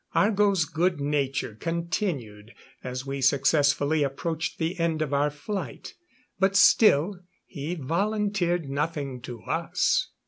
Argo's good nature continued, as we successfully approached the end of our flight. But still he volunteered nothing to us.